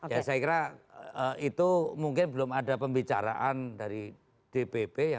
ya saya kira itu mungkin belum ada pembicaraan dari dpp